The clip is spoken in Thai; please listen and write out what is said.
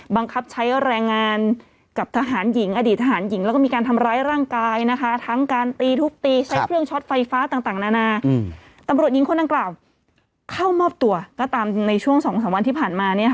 ไฟฟ้าต่างนานาตำรวจยิงคนต่างกล่าวเข้ามอบตัวก็ตามในช่วง๒๓วันที่ผ่านมา